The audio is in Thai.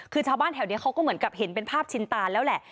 คือชาวบ้านแถวนี้เขาก็เหมือนกับเห็นเป็นภาพชินตาแล้วแหละ